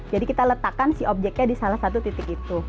jadi kita letakkan si objeknya di salah satu titik itu